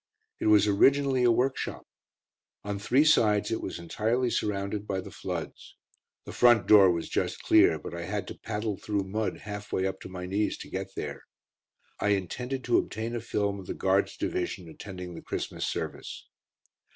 It was originally a workshop. On three sides it was entirely surrounded by the floods. The front door was just clear, but I had to paddle through mud half way up to my knees to get there. I intended to obtain a film of the Guards' Division attending the Christmas service.